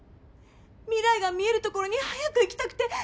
未来が見えるところに早く行きたくて。